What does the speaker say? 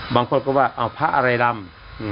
บางคนก็ว่าเอาพระอะไรดำ